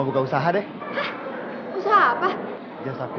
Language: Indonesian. eh sudah jadi sudah jadi